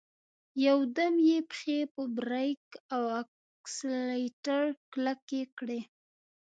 يودم يې پښې په بريک او اکسلېټر کلکې کړې.